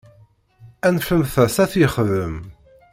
Anfemt-as ad t-yexdem.